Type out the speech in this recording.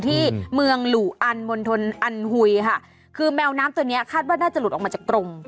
ที่เมืองหลู่อันมณฑลอันหุยค่ะคือแมวน้ำตัวเนี้ยคาดว่าน่าจะหลุดออกมาจากกรง